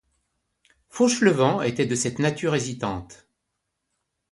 Fauchelevent était de cette nature hésitante.